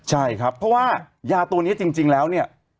ใช่ครับเพราะว่ายาตัวนี้จริงแล้วเนี่ย